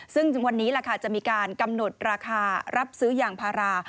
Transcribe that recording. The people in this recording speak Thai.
ซึ่งวันนี้แหละค่ะจะมีการกำหนดราคารับซื้อยางพารา